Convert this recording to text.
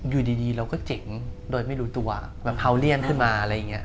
อยู่ดีเราก็เจ๋งโดยไม่รู้ตัวแบบเขาเลี่ยงขึ้นมาอะไรอย่างนี้